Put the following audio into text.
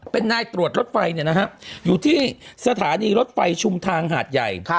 เป็นนายตรวจรถไฟอยู่ที่สถานีรถไฟชุมทางหาดใหญ่